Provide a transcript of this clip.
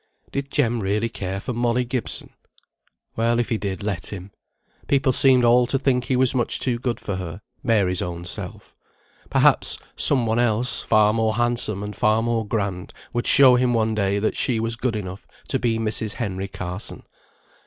Did Jem really care for Molly Gibson? Well, if he did, let him. People seemed all to think he was much too good for her (Mary's own self). Perhaps some one else, far more handsome, and far more grand, would show him one day that she was good enough to be Mrs. Henry Carson.